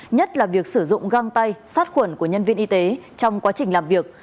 nhất là việc sử dụng găng tay sát khuẩn của nhân viên y tế trong quá trình làm việc